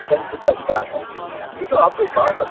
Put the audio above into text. چا چي سوځولي زموږ د کلیو خړ کورونه دي،